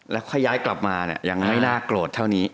แล้วก็ย้ายกลับมาเนี่ยยังไม่น่าโกรธเท่านี้